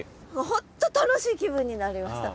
本当楽しい気分になりました。